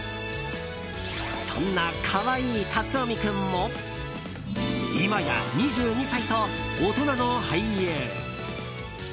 そんな可愛い龍臣君も今や２２歳と大人の俳優。